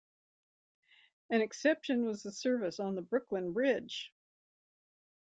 An exception was the service on the Brooklyn Bridge.